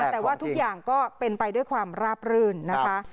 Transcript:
แต่ว่าทุกอย่างก็เป็นไปด้วยความราบรื่นนะคะ